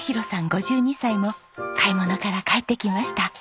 ５２歳も買い物から帰ってきました。